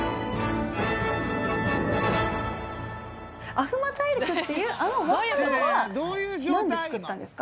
アフマ大陸っていうあのワールドはなんで作ったんですか？